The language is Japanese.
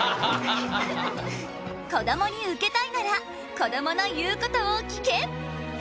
こどもにウケたいならこどもの言うことを聞け！